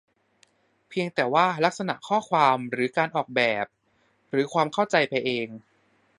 เพียงแต่ว่าลักษณะข้อความหรือการออกแบบ หรือความเข้าใจไปเอง